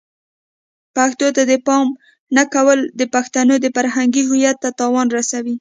پښتو ته د پام نه ورکول د پښتنو د فرهنګی هویت ته تاوان رسوي.